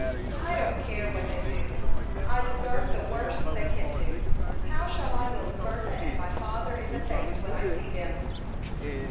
"I don't care what they do; I deserve the worst they can do. How shall I look Bertha and my father in the face when I see them?"